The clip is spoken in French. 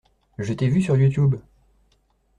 Je t'ai vu sur Youtube!